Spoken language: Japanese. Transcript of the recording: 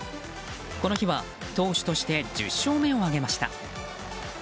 この日は投手として１０勝目を挙げました。